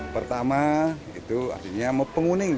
pertama itu artinya mempenguning